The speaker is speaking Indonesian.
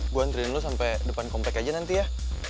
gue anterin lo sampe depan comeback aja nanti ya